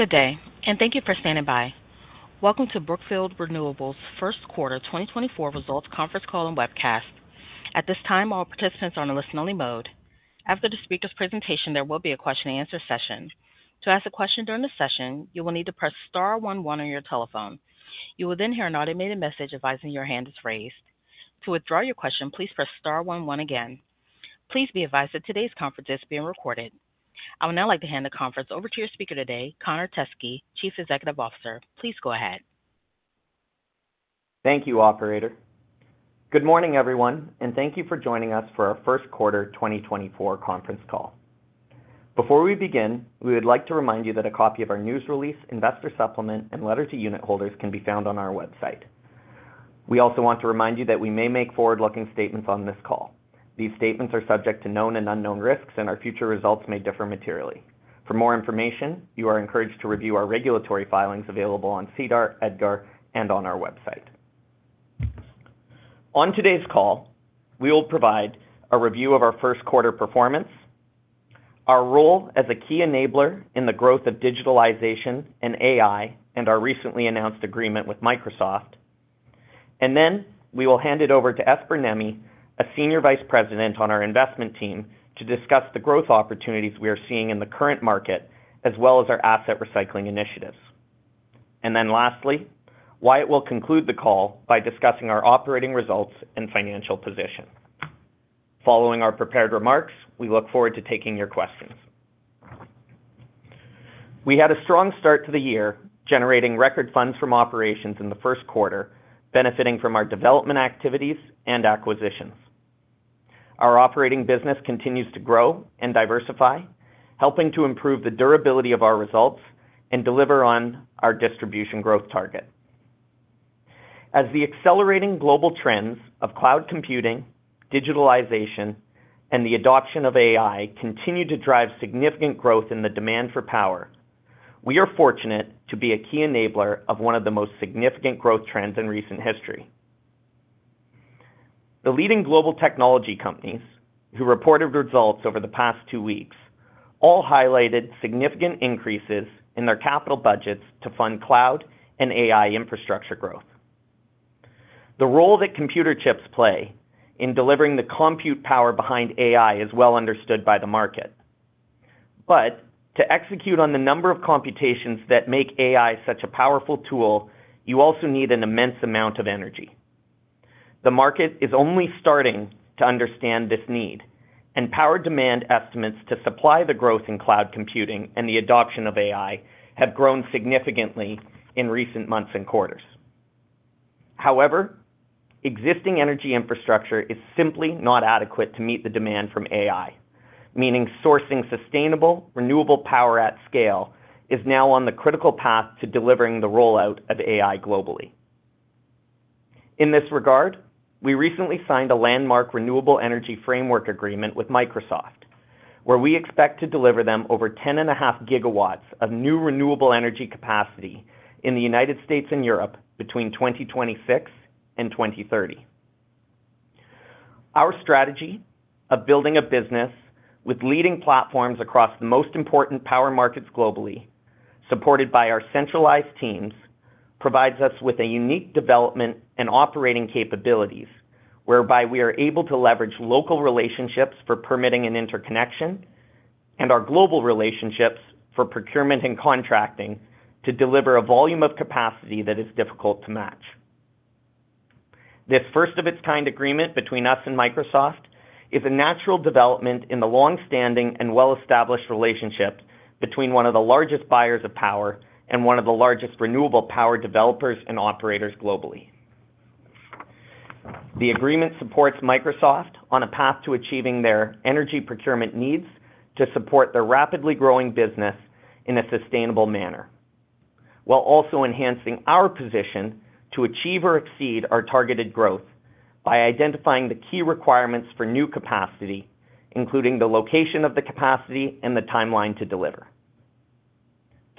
Good day, and thank you for standing by. Welcome to Brookfield Renewable's first quarter 2024 results conference call and webcast. At this time, all participants are on a listen-only mode. After the speaker's presentation, there will be a question-and-answer session. To ask a question during the session, you will need to press star one one on your telephone. You will then hear an automated message advising your hand is raised. To withdraw your question, please press star one one again. Please be advised that today's conference is being recorded. I would now like to hand the conference over to your speaker today, Connor Teskey, Chief Executive Officer. Please go ahead. Thank you, operator. Good morning, everyone, and thank you for joining us for our first quarter 2024 conference call. Before we begin, we would like to remind you that a copy of our news release, investor supplement, and letter to unit holders can be found on our website. We also want to remind you that we may make forward-looking statements on this call. These statements are subject to known and unknown risks, and our future results may differ materially. For more information, you are encouraged to review our regulatory filings available on SEDAR, EDGAR, and on our website. On today's call, we will provide a review of our first quarter performance, our role as a key enabler in the growth of digitalization and AI, and our recently announced agreement with Microsoft. And then we will hand it over to Esper Nemi, a Senior Vice President on our investment team, to discuss the growth opportunities we are seeing in the current market, as well as our asset recycling initiatives. And then lastly, Wyatt will conclude the call by discussing our operating results and financial position. Following our prepared remarks, we look forward to taking your questions. We had a strong start to the year, generating record Funds from Operations in the first quarter, benefiting from our development activities and acquisitions. Our operating business continues to grow and diversify, helping to improve the durability of our results and deliver on our distribution growth target. As the accelerating global trends of cloud computing, digitalization, and the adoption of AI continue to drive significant growth in the demand for power, we are fortunate to be a key enabler of one of the most significant growth trends in recent history. The leading global technology companies who reported results over the past two weeks all highlighted significant increases in their capital budgets to fund cloud and AI infrastructure growth. The role that computer chips play in delivering the compute power behind AI is well understood by the market. But to execute on the number of computations that make AI such a powerful tool, you also need an immense amount of energy. The market is only starting to understand this need, and power demand estimates to supply the growth in cloud computing and the adoption of AI have grown significantly in recent months and quarters. However, existing energy infrastructure is simply not adequate to meet the demand from AI, meaning sourcing sustainable, renewable power at scale is now on the critical path to delivering the rollout of AI globally. In this regard, we recently signed a landmark renewable energy framework agreement with Microsoft, where we expect to deliver them over 10.5 GW of new renewable energy capacity in the United States and Europe between 2026 and 2030. Our strategy of building a business with leading platforms across the most important power markets globally, supported by our centralized teams, provides us with a unique development and operating capabilities, whereby we are able to leverage local relationships for permitting and interconnection and our global relationships for procurement and contracting to deliver a volume of capacity that is difficult to match. This first-of-its-kind agreement between us and Microsoft is a natural development in the long-standing and well-established relationship between one of the largest buyers of power and one of the largest renewable power developers and operators globally. The agreement supports Microsoft on a path to achieving their energy procurement needs to support their rapidly growing business in a sustainable manner, while also enhancing our position to achieve or exceed our targeted growth by identifying the key requirements for new capacity, including the location of the capacity and the timeline to deliver.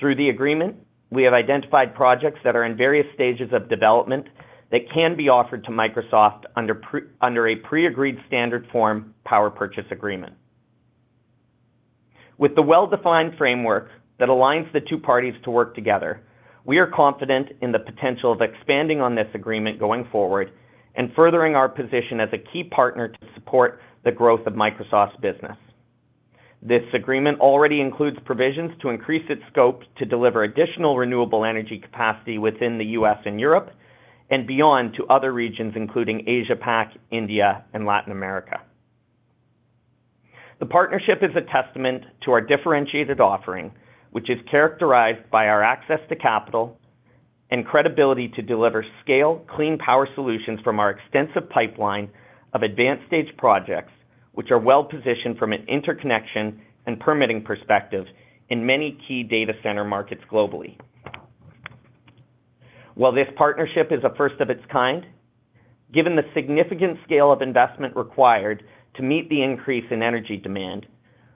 Through the agreement, we have identified projects that are in various stages of development that can be offered to Microsoft under a pre-agreed standard form power purchase agreement. With the well-defined framework that aligns the two parties to work together, we are confident in the potential of expanding on this agreement going forward and furthering our position as a key partner to support the growth of Microsoft's business. This agreement already includes provisions to increase its scope to deliver additional renewable energy capacity within the U.S. and Europe and beyond to other regions, including Asia Pac, India, and Latin America. The partnership is a testament to our differentiated offering, which is characterized by our access to capital and credibility to deliver scale, clean power solutions from our extensive pipeline of advanced stage projects, which are well positioned from an interconnection and permitting perspective in many key data center markets globally. While this partnership is a first of its kind, given the significant scale of investment required to meet the increase in energy demand,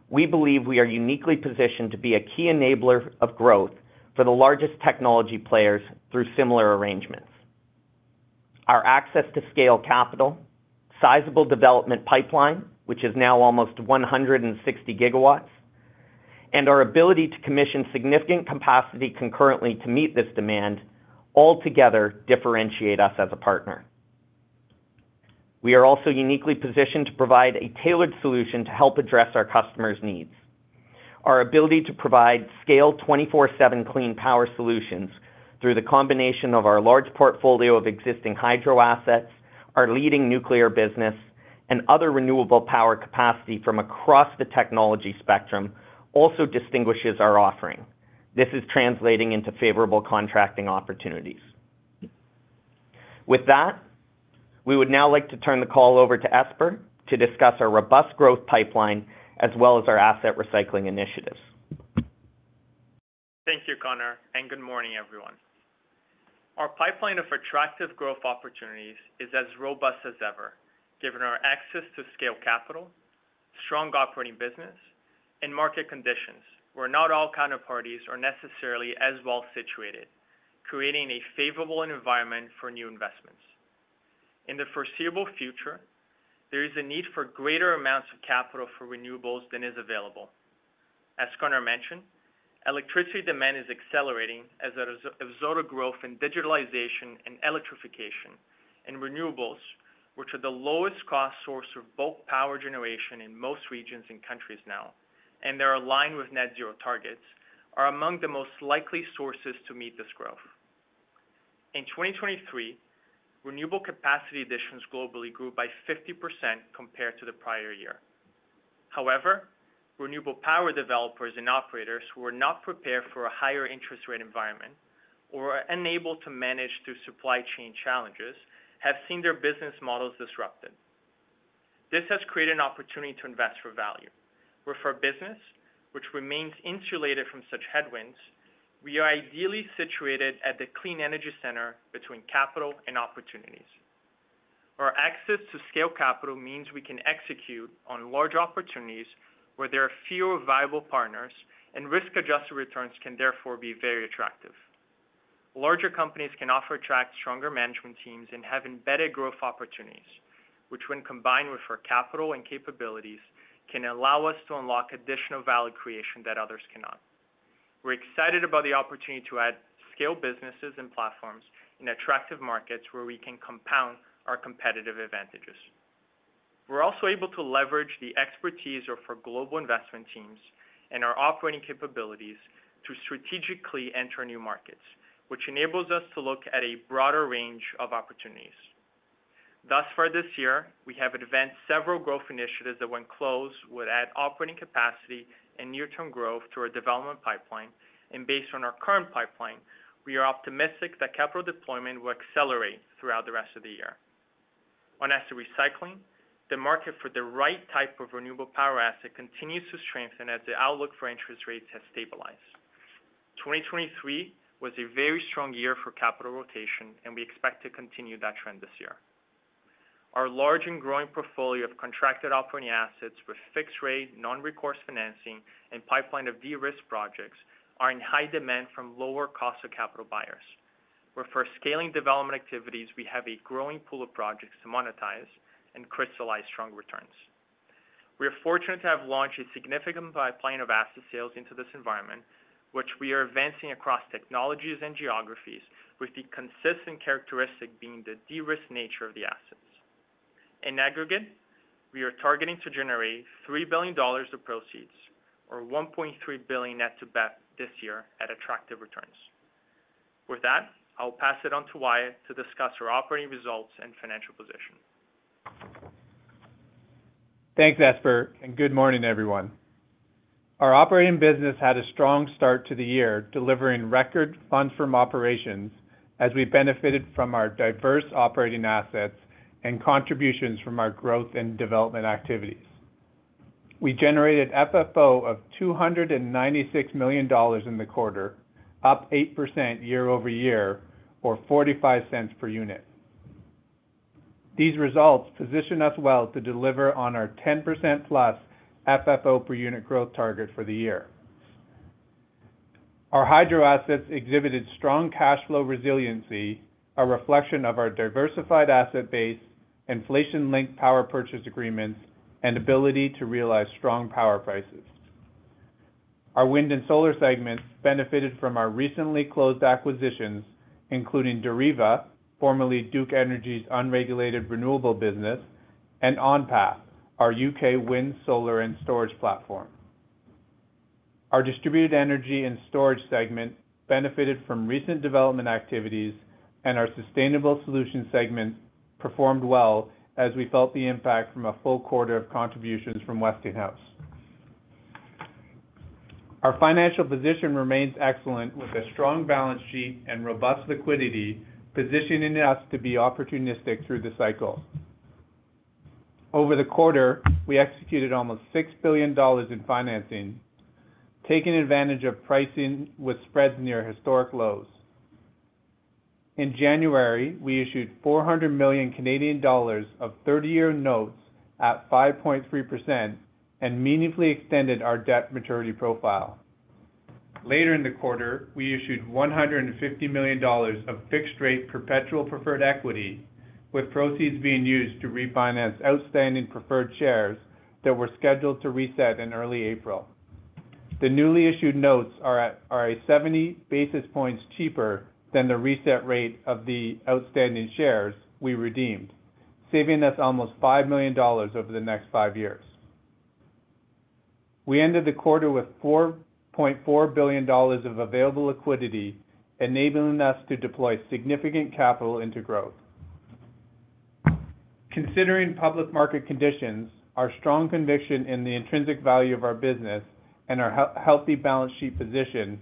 we believe we are uniquely positioned to be a key enabler of growth for the largest technology players through similar arrangements. Our access to scale capital, sizable development pipeline, which is now almost 160 GW, and our ability to commission significant capacity concurrently to meet this demand, altogether differentiate us as a partner. We are also uniquely positioned to provide a tailored solution to help address our customers' needs. Our ability to provide scale 24/7 clean power solutions through the combination of our large portfolio of existing hydro assets, our leading nuclear business, and other renewable power capacity from across the technology spectrum, also distinguishes our offering. This is translating into favorable contracting opportunities. With that, we would now like to turn the call over to Esper, to discuss our robust growth pipeline, as well as our asset recycling initiatives. Thank you, Conor, and good morning, everyone. Our pipeline of attractive growth opportunities is as robust as ever, given our access to scale capital, strong operating business, and market conditions, where not all counterparties are necessarily as well situated, creating a favorable environment for new investments. In the foreseeable future, there is a need for greater amounts of capital for renewables than is available. As Conor mentioned, electricity demand is accelerating as a result of growth in digitalization and electrification, and renewables, which are the lowest cost source of bulk power generation in most regions and countries now, and they're aligned with net zero targets, are among the most likely sources to meet this growth. In 2023, renewable capacity additions globally grew by 50% compared to the prior year. However, renewable power developers and operators who were not prepared for a higher interest rate environment or are unable to manage through supply chain challenges, have seen their business models disrupted. This has created an opportunity to invest for value, whereby our business, which remains insulated from such headwinds, we are ideally situated in the clean energy sector between capital and opportunities. Our access to scale capital means we can execute on large opportunities where there are fewer viable partners, and risk-adjusted returns can therefore be very attractive. Larger companies can also attract stronger management teams and have embedded growth opportunities, which when combined with our capital and capabilities, can allow us to unlock additional value creation that others cannot. We're excited about the opportunity to add scale businesses and platforms in attractive markets where we can compound our competitive advantages. We're also able to leverage the expertise of our global investment teams and our operating capabilities to strategically enter new markets, which enables us to look at a broader range of opportunities. Thus, for this year, we have advanced several growth initiatives that, when closed, would add operating capacity and near-term growth to our development pipeline. Based on our current pipeline, we are optimistic that capital deployment will accelerate throughout the rest of the year. On asset recycling, the market for the right type of renewable power asset continues to strengthen as the outlook for interest rates has stabilized. 2023 was a very strong year for capital rotation, and we expect to continue that trend this year. Our large and growing portfolio of contracted operating assets with fixed rate, non-recourse financing, and pipeline of de-risk projects, are in high demand from lower cost of capital buyers, where for scaling development activities, we have a growing pool of projects to monetize and crystallize strong returns. We are fortunate to have launched a significant pipeline of asset sales into this environment, which we are advancing across technologies and geographies, with the consistent characteristic being the de-risk nature of the assets. In aggregate, we are targeting to generate $3 billion of proceeds or $1.3 billion net to BEP this year at attractive returns. With that, I'll pass it on to Wyatt to discuss our operating results and financial position. Thanks, Esper, and good morning, everyone. Our operating business had a strong start to the year, delivering record funds from operations as we benefited from our diverse operating assets and contributions from our growth and development activities. We generated FFO of $296 million in the quarter, up 8% year-over-year, or $0.45 per unit. These results position us well to deliver on our 10%+ FFO per unit growth target for the year. Our hydro assets exhibited strong cash flow resiliency, a reflection of our diversified asset base, inflation-linked power purchase agreements, and ability to realize strong power prices. Our wind and solar segments benefited from our recently closed acquisitions, including Deriva Energy, formerly Duke Energy's unregulated renewable business, and OnPath Energy, our UK wind, solar, and storage platform. Our distributed energy and storage segment benefited from recent development activities, and our sustainable solution segment performed well as we felt the impact from a full quarter of contributions from Westinghouse. Our financial position remains excellent, with a strong balance sheet and robust liquidity, positioning us to be opportunistic through the cycle. Over the quarter, we executed almost $6 billion in financing, taking advantage of pricing with spreads near historic lows. In January, we issued 400 million Canadian dollars of 30-year notes at 5.3% and meaningfully extended our debt maturity profile. Later in the quarter, we issued $150 million of fixed-rate perpetual preferred equity, with proceeds being used to refinance outstanding preferred shares that were scheduled to reset in early April. The newly issued notes are a 70 basis points cheaper than the reset rate of the outstanding shares we redeemed, saving us almost $5 million over the next five years. We ended the quarter with $4.4 billion of available liquidity, enabling us to deploy significant capital into growth. Considering public market conditions, our strong conviction in the intrinsic value of our business, and our healthy balance sheet position,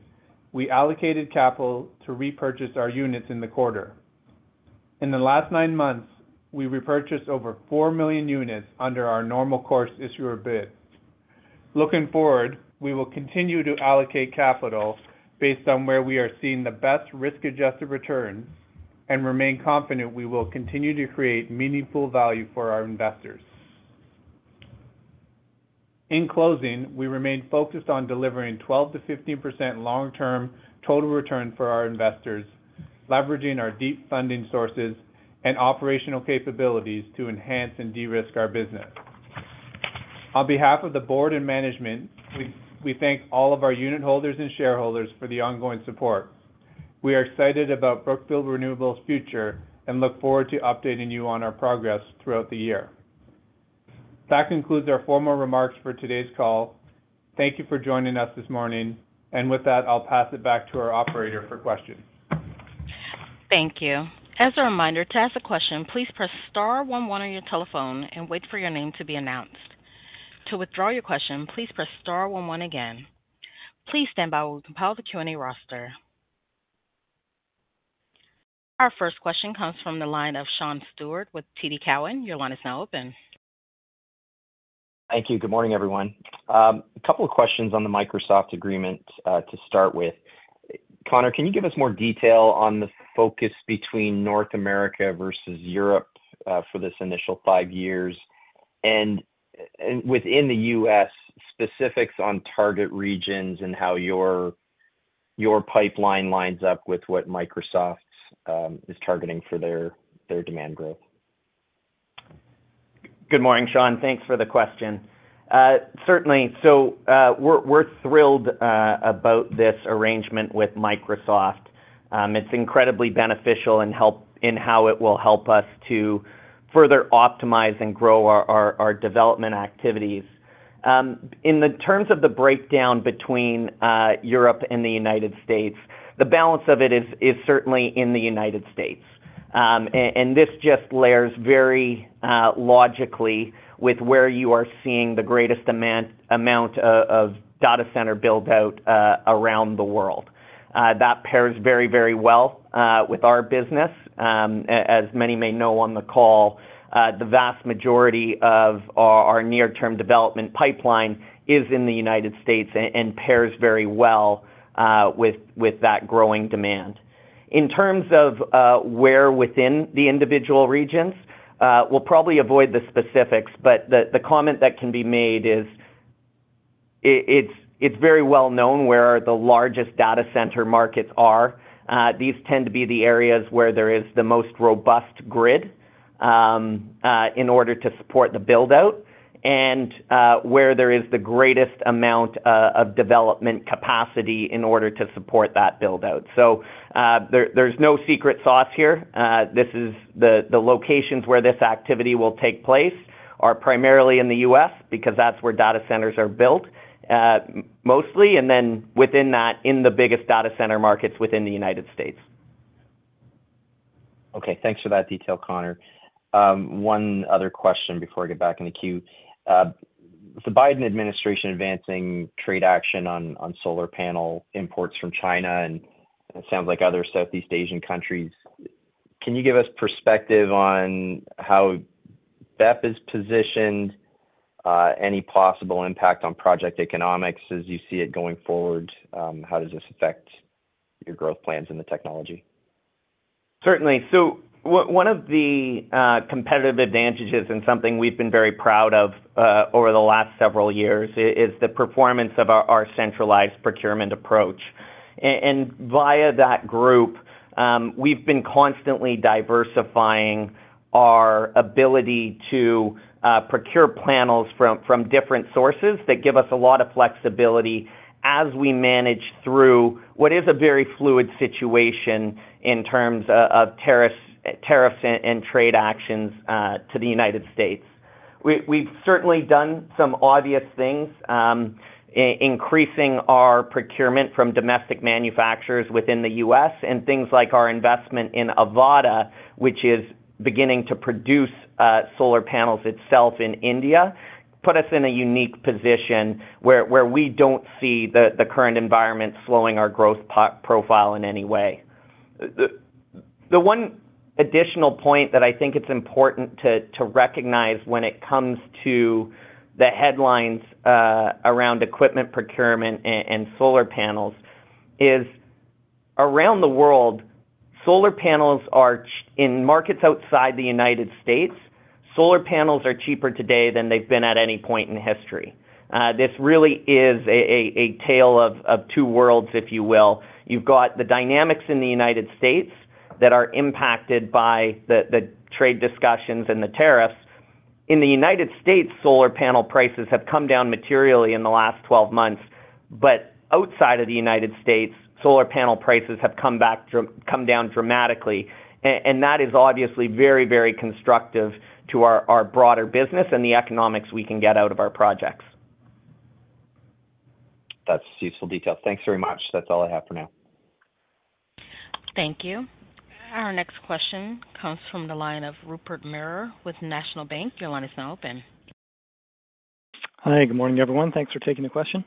we allocated capital to repurchase our units in the quarter. In the last nine months, we repurchased over 4 million units under our normal course issuer bid. Looking forward, we will continue to allocate capital based on where we are seeing the best risk-adjusted returns and remain confident we will continue to create meaningful value for our investors. In closing, we remain focused on delivering 12%-15% long-term total return for our investors, leveraging our deep funding sources and operational capabilities to enhance and de-risk our business. On behalf of the board and management, we thank all of our unit holders and shareholders for the ongoing support. We are excited about Brookfield Renewable's future and look forward to updating you on our progress throughout the year. That concludes our formal remarks for today's call. Thank you for joining us this morning. With that, I'll pass it back to our operator for questions. Thank you. As a reminder, to ask a question, please press star one one on your telephone and wait for your name to be announced. To withdraw your question, please press star one one again. Please stand by while we compile the Q&A roster. Our first question comes from the line of Sean Steuart with TD Cowen. Your line is now open. Thank you. Good morning, everyone. A couple of questions on the Microsoft agreement, to start with. Conor, can you give us more detail on the focus between North America versus Europe, for this initial five years? Within the U.S., specifics on target regions and how your pipeline lines up with what Microsoft's is targeting for their demand growth. Good morning, Sean. Thanks for the question. Certainly. So, we're thrilled about this arrangement with Microsoft. It's incredibly beneficial in how it will help us to further optimize and grow our development activities. In terms of the breakdown between Europe and the United States, the balance of it is certainly in the United States. And this just layers very logically with where you are seeing the greatest demand, amount of data center build-out around the world. That pairs very well with our business. As many may know on the call, the vast majority of our near-term development pipeline is in the United States and pairs very well with that growing demand. In terms of where within the individual regions, we'll probably avoid the specifics, but the comment that can be made is it's very well known where the largest data center markets are. These tend to be the areas where there is the most robust grid in order to support the build-out, and where there is the greatest amount of development capacity in order to support that build-out. So, there's no secret sauce here. This is the locations where this activity will take place are primarily in the U.S. because that's where data centers are built mostly, and then within that, in the biggest data center markets within the United States. Okay, thanks for that detail, Conor. One other question before I get back in the queue. With the Biden administration advancing trade action on, on solar panel imports from China, and it sounds like other Southeast Asian countries, can you give us perspective on how BEP is positioned, any possible impact on project economics as you see it going forward? How does this affect your growth plans and the technology? Certainly. So one of the competitive advantages and something we've been very proud of over the last several years is the performance of our centralized procurement approach. And via that group, we've been constantly diversifying our ability to procure panels from different sources that give us a lot of flexibility as we manage through what is a very fluid situation in terms of tariffs, tariffs and trade actions to the United States. We've certainly done some obvious things, increasing our procurement from domestic manufacturers within the U.S., and things like our investment in Avaada, which is beginning to produce solar panels itself in India, put us in a unique position where we don't see the current environment slowing our growth profile in any way. The one additional point that I think it's important to recognize when it comes to the headlines around equipment procurement and solar panels is around the world, solar panels are. In markets outside the United States, solar panels are cheaper today than they've been at any point in history. This really is a tale of two worlds, if you will. You've got the dynamics in the United States that are impacted by the trade discussions and the tariffs. In the United States, solar panel prices have come down materially in the last 12 months, but outside of the United States, solar panel prices have come back down dramatically. And that is obviously very constructive to our broader business and the economics we can get out of our projects. That's useful detail. Thanks very much. That's all I have for now. Thank you. Our next question comes from the line of Rupert Merer with National Bank. Your line is now open. Hi, good morning, everyone. Thanks for taking the question.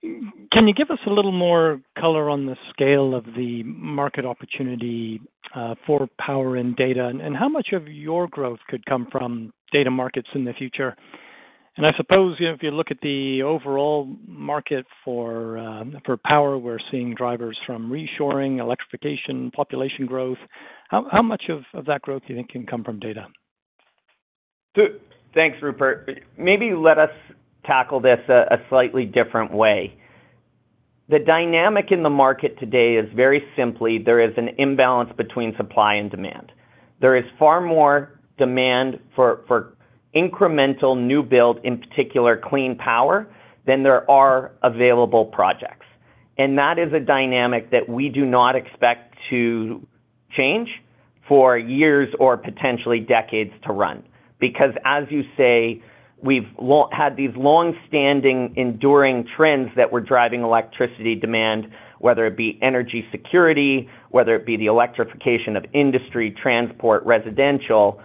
Can you give us a little more color on the scale of the market opportunity for power and data? And how much of your growth could come from data markets in the future? And I suppose, you know, if you look at the overall market for power, we're seeing drivers from reshoring, electrification, population growth. How much of that growth do you think can come from data? Good. Thanks, Rupert. Maybe let us tackle this slightly different way. The dynamic in the market today is very simply, there is an imbalance between supply and demand. There is far more demand for incremental new build, in particular, clean power, than there are available projects. And that is a dynamic that we do not expect to change for years or potentially decades to run. Because as you say, we've had these long-standing, enduring trends that were driving electricity demand, whether it be energy security, whether it be the electrification of industry, transport, residential.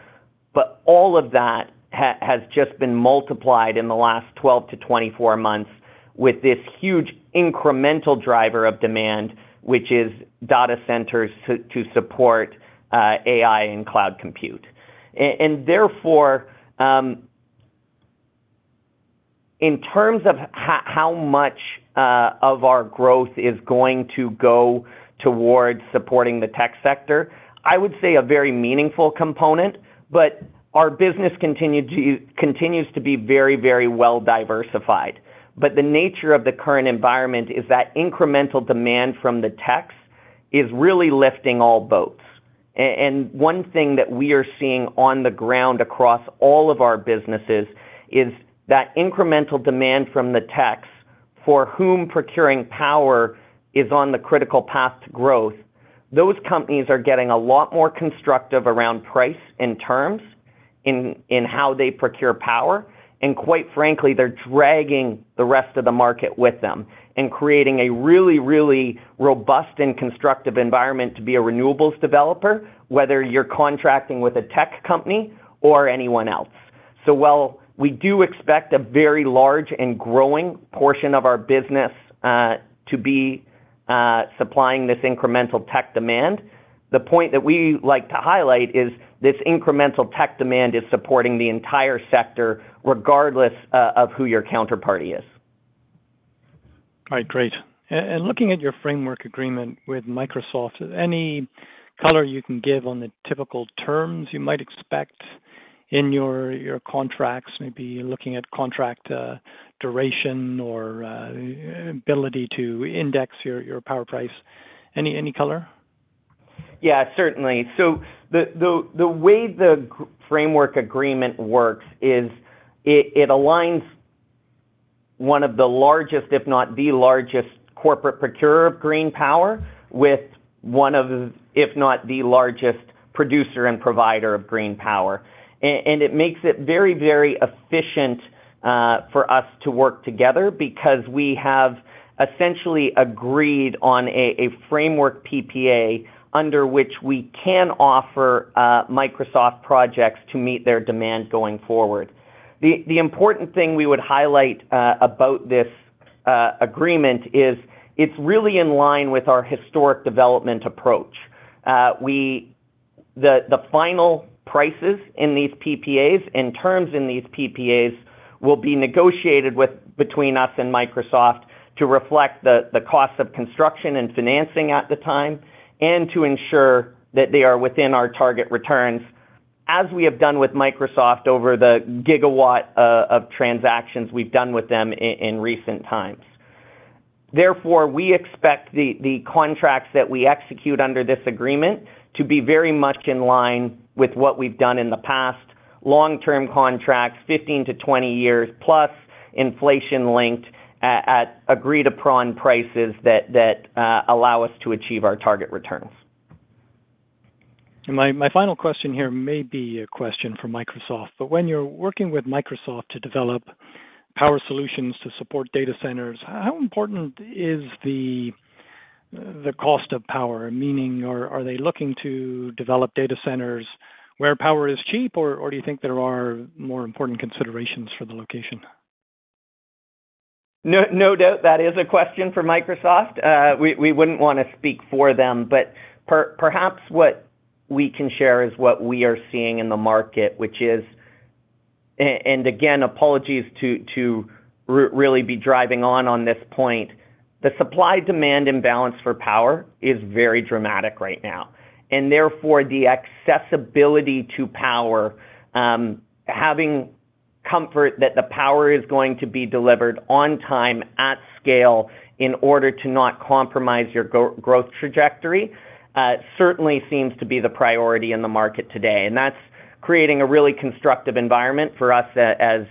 But all of that has just been multiplied in the last 12-24 months with this huge incremental driver of demand, which is data centers to support AI and cloud compute. And therefore, in terms of how much of our growth is going to go towards supporting the tech sector, I would say a very meaningful component, but our business continues to be very, very well diversified. But the nature of the current environment is that incremental demand from the techs is really lifting all boats. And one thing that we are seeing on the ground across all of our businesses is that incremental demand from the techs, for whom procuring power is on the critical path to growth, those companies are getting a lot more constructive around price and terms in how they procure power. And quite frankly, they're dragging the rest of the market with them and creating a really, really robust and constructive environment to be a renewables developer, whether you're contracting with a tech company or anyone else. So while we do expect a very large and growing portion of our business to be supplying this incremental tech demand, the point that we like to highlight is this incremental tech demand is supporting the entire sector, regardless of who your counterparty is. All right, great. And looking at your framework agreement with Microsoft, any color you can give on the typical terms you might expect in your contracts? Maybe looking at contract duration or ability to index your power price. Any color? Yeah, certainly. So the way the framework agreement works is it aligns one of the largest, if not the largest, corporate procurer of green power with one of, if not the largest, producer and provider of green power. And it makes it very efficient for us to work together because we have essentially agreed on a framework PPA, under which we can offer Microsoft projects to meet their demand going forward. The important thing we would highlight about this agreement is it's really in line with our historic development approach. The final prices in these PPAs and terms in these PPAs will be negotiated between us and Microsoft to reflect the cost of construction and financing at the time, and to ensure that they are within our target returns, as we have done with Microsoft over the gigawatt of transactions we've done with them in recent times. Therefore, we expect the contracts that we execute under this agreement to be very much in line with what we've done in the past: long-term contracts, 15-20 years, plus inflation-linked at agreed-upon prices that allow us to achieve our target returns. My final question here may be a question for Microsoft, but when you're working with Microsoft to develop power solutions to support data centers, how important is the cost of power? Meaning, are they looking to develop data centers where power is cheap, or do you think there are more important considerations for the location? No, no doubt, that is a question for Microsoft. We, we wouldn't want to speak for them, but perhaps what we can share is what we are seeing in the market, which is... And again, apologies to really be driving on this point. The supply-demand imbalance for power is very dramatic right now. And therefore, the accessibility to power, having comfort that the power is going to be delivered on time, at scale, in order to not compromise your growth trajectory, certainly seems to be the priority in the market today. And that's creating a really constructive environment for us as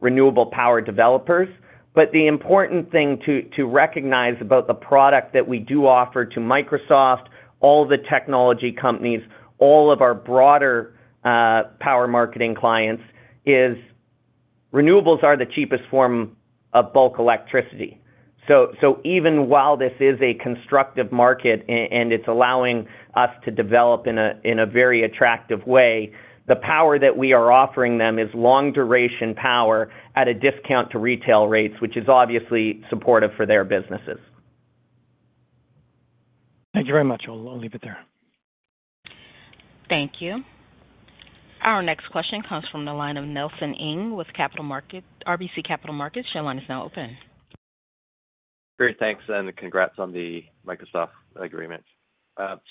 renewable power developers. But the important thing to recognize about the product that we do offer to Microsoft, all the technology companies, all of our broader power marketing clients, is renewables are the cheapest form of bulk electricity. So even while this is a constructive market, and it's allowing us to develop in a very attractive way, the power that we are offering them is long-duration power at a discount to retail rates, which is obviously supportive for their businesses. Thank you very much. I'll leave it there. Thank you. Our next question comes from the line of Nelson Ng with RBC Capital Markets. Your line is now open. Great, thanks, and congrats on the Microsoft agreement.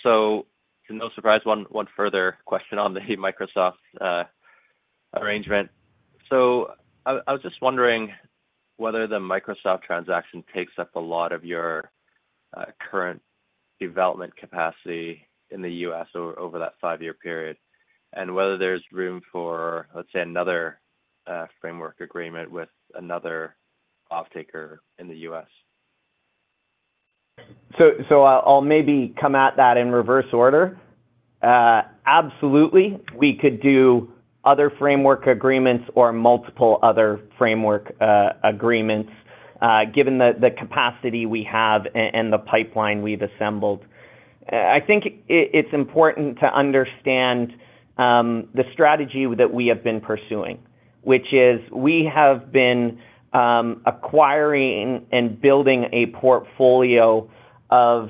So to no surprise, one further question on the Microsoft arrangement. So I was just wondering whether the Microsoft transaction takes up a lot of your current development capacity in the U.S. over that five-year period, and whether there's room for, let's say, another framework agreement with another offtaker in the U.S.? So, I'll maybe come at that in reverse order. Absolutely, we could do other framework agreements or multiple other framework agreements, given the capacity we have and the pipeline we've assembled. I think it's important to understand the strategy that we have been pursuing, which is we have been acquiring and building a portfolio of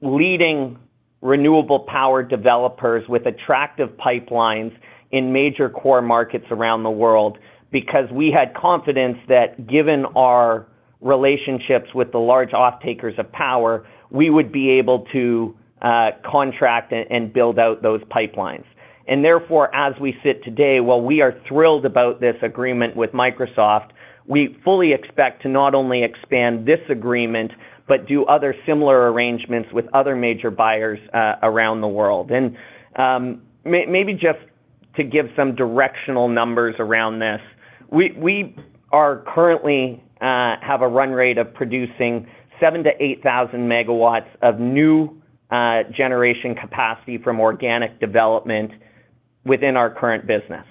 leading renewable power developers with attractive pipelines in major core markets around the world. Because we had confidence that, given our relationships with the large offtakers of power, we would be able to contract and build out those pipelines. And therefore, as we sit today, while we are thrilled about this agreement with Microsoft, we fully expect to not only expand this agreement, but do other similar arrangements with other major buyers around the world. Maybe just to give some directional numbers around this, we currently have a run rate of producing 7,000-8,000 MW of new generation capacity from organic development within our current business.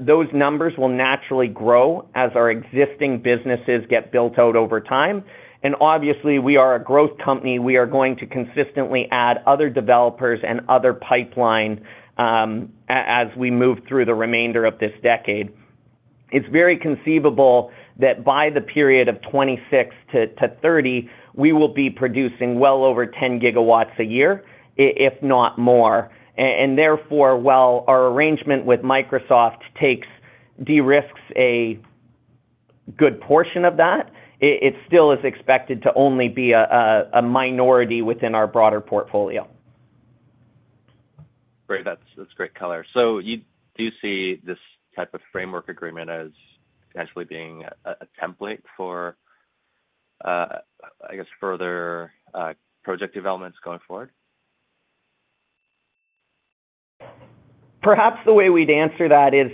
Those numbers will naturally grow as our existing businesses get built out over time. Obviously, we are a growth company. We are going to consistently add other developers and other pipeline as we move through the remainder of this decade. It's very conceivable that by the period of 2026-2030, we will be producing well over 10 GW a year, if not more. Therefore, while our arrangement with Microsoft de-risks a good portion of that, it still is expected to only be a minority within our broader portfolio. Great. That's, that's great color. So you do see this type of framework agreement as potentially being a, a, a template for, I guess, further, project developments going forward? Perhaps the way we'd answer that is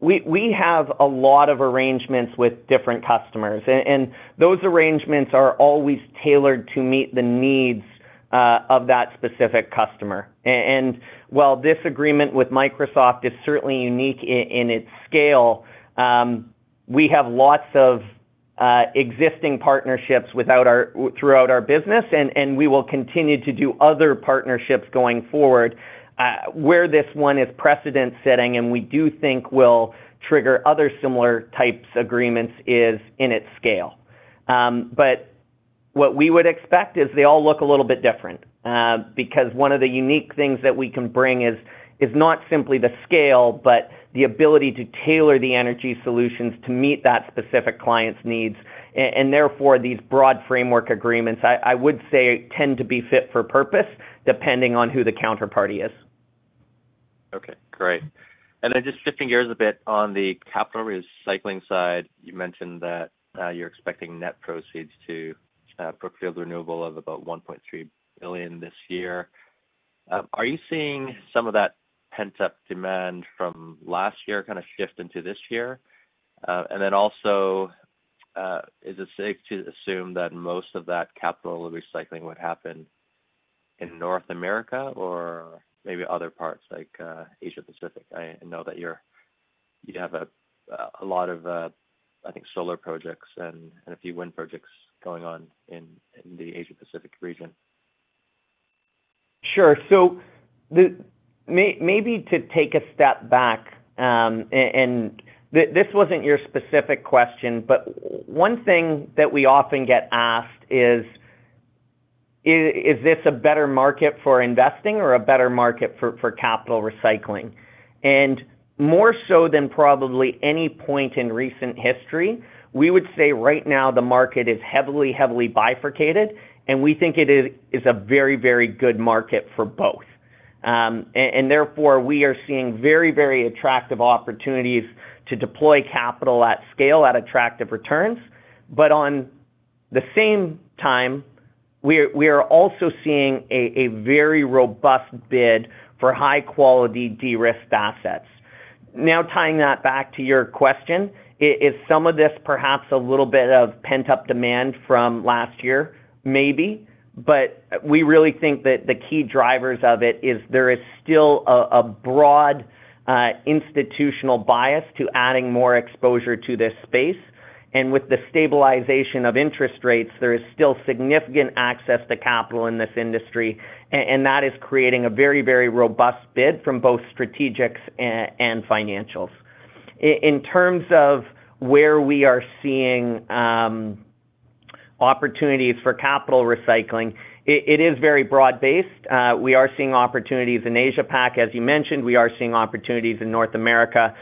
we have a lot of arrangements with different customers, and those arrangements are always tailored to meet the needs of that specific customer. And while this agreement with Microsoft is certainly unique in its scale, we have lots of existing partnerships throughout our business, and we will continue to do other partnerships going forward. Where this one is precedent-setting, and we do think will trigger other similar types agreements, is in its scale. But what we would expect is they all look a little bit different, because one of the unique things that we can bring is not simply the scale, but the ability to tailor the energy solutions to meet that specific client's needs. Therefore, these broad framework agreements, I, I would say, tend to be fit for purpose, depending on who the counterparty is. Okay, great. And then just shifting gears a bit on the capital recycling side, you mentioned that, you're expecting net proceeds to Brookfield Renewable of about $1.3 billion this year. Are you seeing some of that pent-up demand from last year kind of shift into this year? And then also, is it safe to assume that most of that capital recycling would happen in North America or maybe other parts, like, Asia Pacific? I know that you're you have a lot of, I think, solar projects and a few wind projects going on in the Asia Pacific region. Sure. So maybe to take a step back, this wasn't your specific question, but one thing that we often get asked is, is this a better market for investing or a better market for capital recycling? And more so than probably any point in recent history, we would say right now the market is heavily, heavily bifurcated, and we think it is a very, very good market for both. And therefore, we are seeing very, very attractive opportunities to deploy capital at scale, at attractive returns. But at the same time, we are also seeing a very robust bid for high-quality de-risked assets. Now, tying that back to your question, is some of this perhaps a little bit of pent-up demand from last year? Maybe. But we really think that the key drivers of it is there is still a broad institutional bias to adding more exposure to this space. And with the stabilization of interest rates, there is still significant access to capital in this industry, and that is creating a very, very robust bid from both strategics and financials. In terms of where we are seeing opportunities for capital recycling, it is very broad-based. We are seeing opportunities in Asia Pac, as you mentioned. We are seeing opportunities in North America.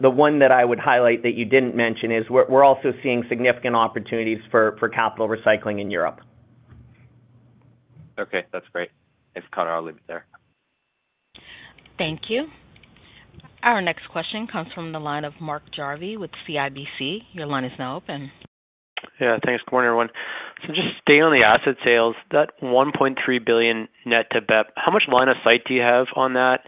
The one that I would highlight that you didn't mention is we're also seeing significant opportunities for capital recycling in Europe. Okay, that's great. Thanks, Conor, I'll leave it there. Thank you. Our next question comes from the line of Mark Jarvi with CIBC. Your line is now open. Yeah, thanks. Good morning, everyone. So just staying on the asset sales, that $1.3 billion net to BEP, how much line of sight do you have on that?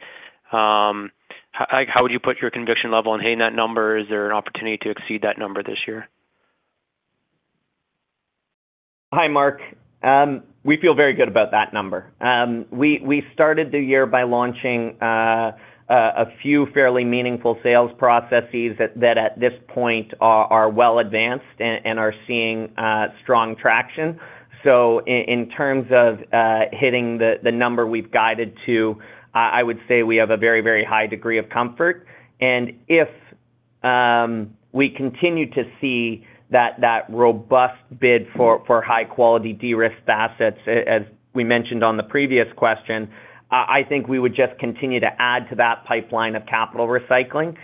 Like, how would you put your conviction level on hitting that number? Is there an opportunity to exceed that number this year? Hi, Mark. We feel very good about that number. We started the year by launching a few fairly meaningful sales processes that at this point are well advanced and are seeing strong traction. So in terms of hitting the number we've guided to, I would say we have a very, very high degree of comfort. And if we continue to see that robust bid for high-quality de-risked assets, as we mentioned on the previous question, I think we would just continue to add to that pipeline of capital recycling,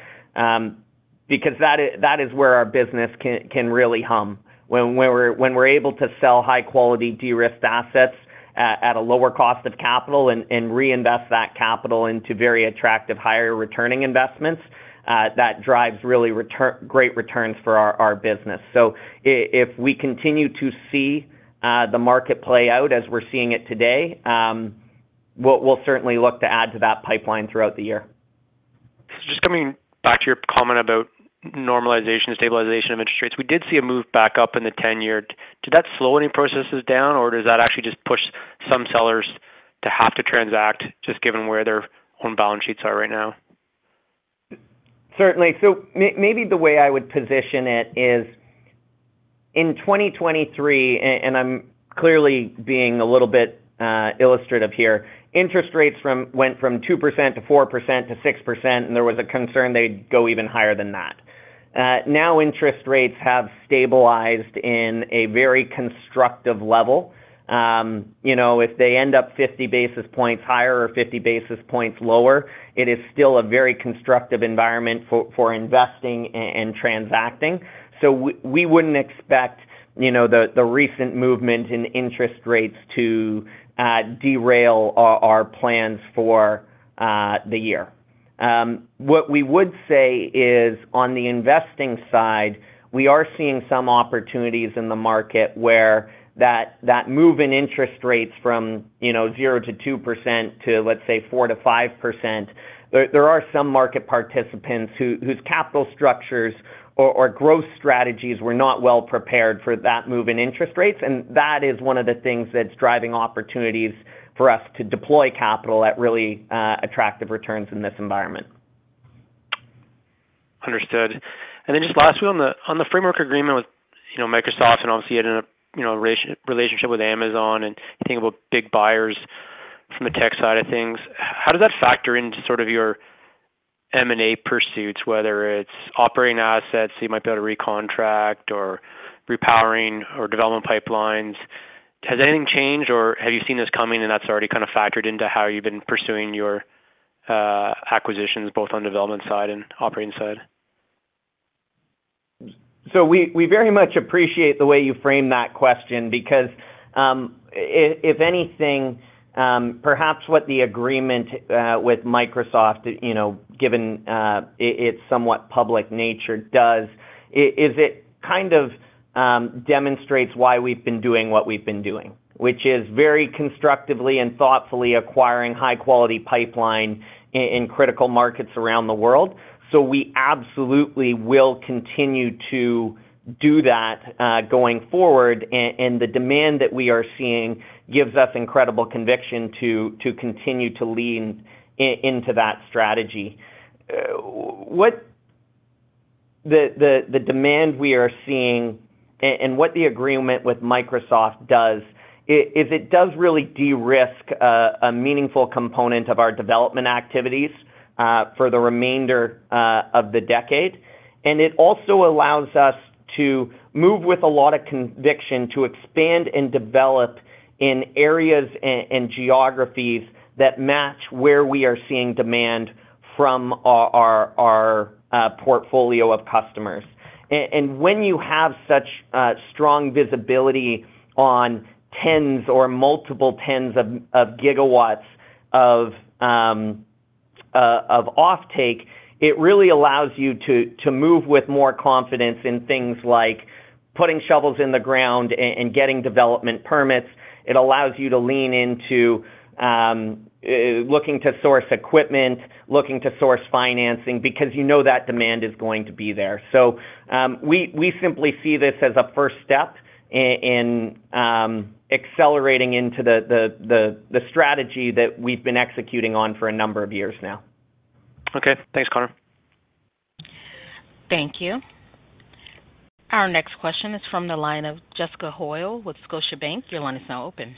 because that is where our business can really hum. When we're able to sell high-quality de-risked assets at a lower cost of capital and reinvest that capital into very attractive, higher-returning investments, that drives really great returns for our business. So if we continue to see the market play out as we're seeing it today, we'll certainly look to add to that pipeline throughout the year. Just coming back to your comment about normalization and stabilization of interest rates. We did see a move back up in the 10-year. Did that slow any processes down, or does that actually just push some sellers to have to transact, just given where their own balance sheets are right now? Certainly. So maybe the way I would position it is, in 2023, and I'm clearly being a little bit illustrative here, interest rates went from 2%- 4%-6%, and there was a concern they'd go even higher than that. Now interest rates have stabilized in a very constructive level. You know, if they end up 50 basis points higher or 50 basis points lower, it is still a very constructive environment for investing and transacting. So we wouldn't expect, you know, the recent movement in interest rates to derail our plans for the year. What we would say is, on the investing side, we are seeing some opportunities in the market where that move in interest rates from, you know, 0%-2% to, let's say, 4%-5%, there are some market participants whose capital structures or growth strategies were not well prepared for that move in interest rates, and that is one of the things that's driving opportunities for us to deploy capital at really attractive returns in this environment. Understood. And then just lastly, on the framework agreement with, you know, Microsoft, and obviously you had a, you know, relationship with Amazon and thinking about big buyers from the tech side of things. How does that factor into sort of your M&A pursuits, whether it's operating assets, you might be able to recontract or repowering or development pipelines? Has anything changed, or have you seen this coming and that's already kind of factored into how you've been pursuing your acquisitions, both on development side and operating side? So we very much appreciate the way you framed that question, because if anything, perhaps what the agreement with Microsoft, you know, given its somewhat public nature does is it kind of demonstrates why we've been doing what we've been doing, which is very constructively and thoughtfully acquiring high-quality pipeline in critical markets around the world. So we absolutely will continue to do that going forward, and the demand that we are seeing gives us incredible conviction to continue to lean into that strategy. What the demand we are seeing and what the agreement with Microsoft does is it does really de-risk a meaningful component of our development activities for the remainder of the decade. It also allows us to move with a lot of conviction to expand and develop in areas and geographies that match where we are seeing demand from our portfolio of customers. And when you have such strong visibility on tens or multiple tens of gigawatts of offtake, it really allows you to move with more confidence in things like putting shovels in the ground and getting development permits. It allows you to lean into looking to source equipment, looking to source financing, because you know that demand is going to be there. So, we simply see this as a first step in accelerating into the strategy that we've been executing on for a number of years now. Okay. Thanks, Conor. Thank you. Our next question is from the line of Jessica Hoyle with Scotiabank. Your line is now open.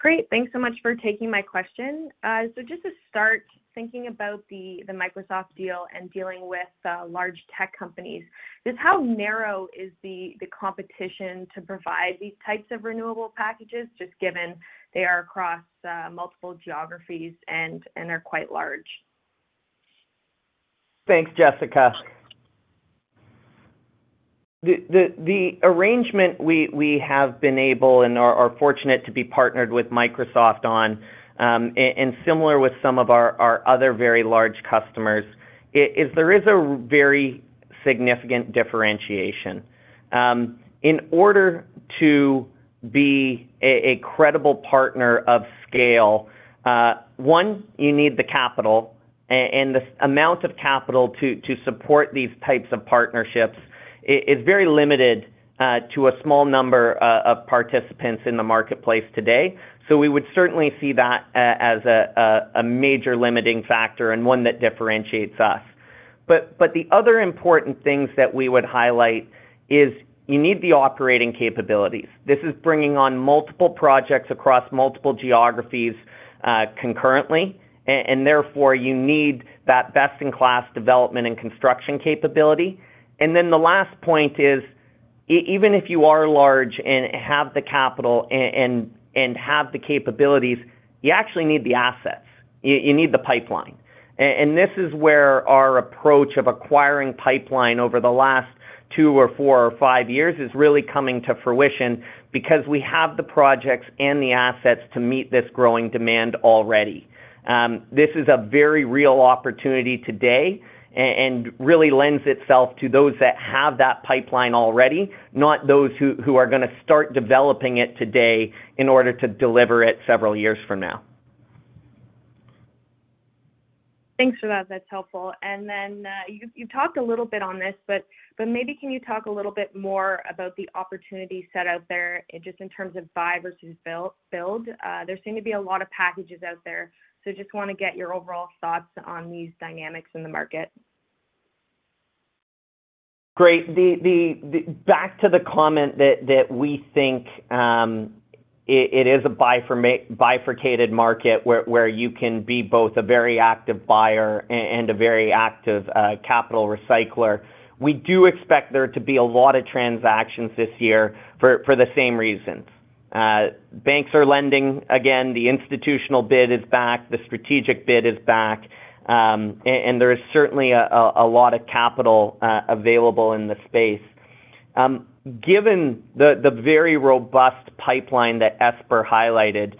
Great. Thanks so much for taking my question. So just to start, thinking about the, the Microsoft deal and dealing with, large tech companies, just how narrow is the, the competition to provide these types of renewable packages, just given they are across, multiple geographies and, and are quite large? Thanks, Jessica. The arrangement we have been able and are fortunate to be partnered with Microsoft on, and similar with some of our other very large customers, is. There is a very significant differentiation. In order to be a credible partner of scale, one, you need the capital, and the amount of capital to support these types of partnerships is very limited to a small number of participants in the marketplace today. So we would certainly see that as a major limiting factor and one that differentiates us. But the other important things that we would highlight is you need the operating capabilities. This is bringing on multiple projects across multiple geographies concurrently, and therefore, you need that best-in-class development and construction capability. And then the last point is, even if you are large and have the capital and have the capabilities, you actually need the assets. You need the pipeline. And this is where our approach of acquiring pipeline over the last two or four or five years is really coming to fruition because we have the projects and the assets to meet this growing demand already. This is a very real opportunity today and really lends itself to those that have that pipeline already, not those who are gonna start developing it today in order to deliver it several years from now. Thanks for that. That's helpful. And then, you talked a little bit on this, but maybe can you talk a little bit more about the opportunity set out there, just in terms of buy versus build, build? There seem to be a lot of packages out there, so just wanna get your overall thoughts on these dynamics in the market. Great. Back to the comment that we think it is a bifurcated market, where you can be both a very active buyer and a very active capital recycler. We do expect there to be a lot of transactions this year for the same reasons. Banks are lending. Again, the institutional bid is back, the strategic bid is back, and there is certainly a lot of capital available in the space. Given the very robust pipeline that Esper highlighted,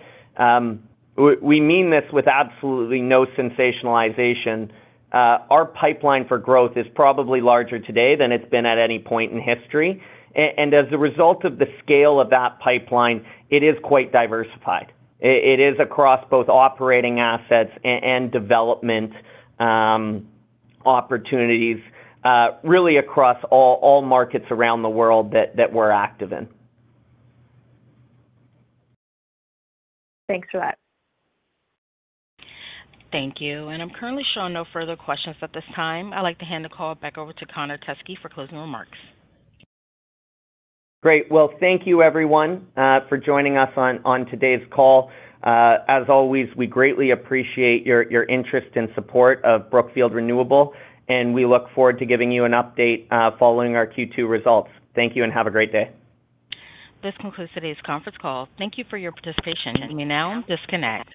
we mean this with absolutely no sensationalization, our pipeline for growth is probably larger today than it's been at any point in history. And as a result of the scale of that pipeline, it is quite diversified. It is across both operating assets and development opportunities, really across all markets around the world that we're active in. Thanks for that. Thank you, and I'm currently showing no further questions at this time. I'd like to hand the call back over to Connor Teskey for closing remarks. Great. Well, thank you everyone for joining us on today's call. As always, we greatly appreciate your interest and support of Brookfield Renewable, and we look forward to giving you an update following our Q2 results. Thank you, and have a great day. This concludes today's conference call. Thank you for your participation. You may now disconnect.